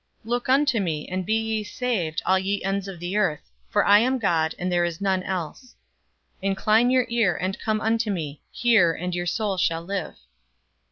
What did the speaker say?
"Look unto me and be ye saved, all ye ends of the earth; for I am God, and there is none else." "Incline your ear, and come unto me; hear, and your soul shall live."